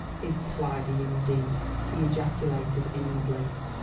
"His 'plaidie,' indeed," he ejaculated inwardly.